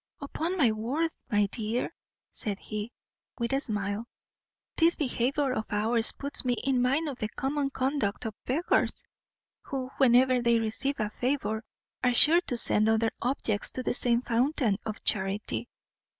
"Upon my word, my dear," said he, with a smile, "this behaviour of ours puts me in mind of the common conduct of beggars; who, whenever they receive a favour, are sure to send other objects to the same fountain of charity.